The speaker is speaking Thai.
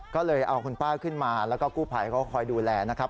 ก็เลยเอาคุณป้าขึ้นมาแล้วก็กู้ภัยเขาคอยดูแลนะครับ